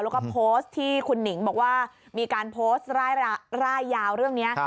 แล้วก็โพสต์ที่คุณหนิงบอกว่ามีการโพสต์ร่ายยาวเรื่องนี้